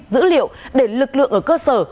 dữ liệu để lực lượng ở cơ sở